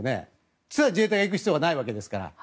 それは自衛隊が行く必要がないわけですから。